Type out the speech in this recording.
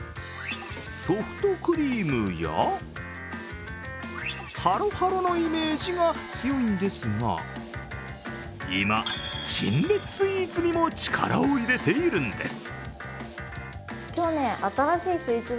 ソフトクリームやハロハロのイメージが強いんですが、今、陳列スイーツにも力を入れているんです。